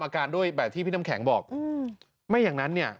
อาการด้วยแบบที่พี่น้ำแข็งบอกอืมไม่อย่างนั้นเนี่ย